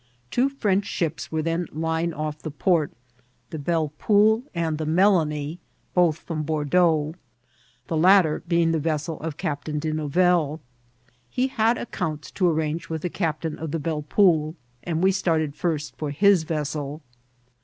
Two French ships were then lying off the p(»rt: the Belle Ponle and the Melanie, both from Bordeaux, the latter being the vessel of Captain De Nouvelle. He had accounts to arrange with the captain of the Belle Poule, and we started first for his vessel.